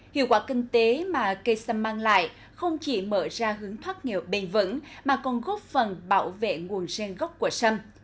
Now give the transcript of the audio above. hiệu quả kinh tế mà cây sâm mang lại không chỉ mở ra hướng thoát nghèo bền vững mà còn góp phần bảo vệ nguồn sen gốc của sâm